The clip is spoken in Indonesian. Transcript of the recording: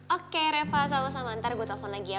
oke reva sama sama ntar gue telepon lagi ya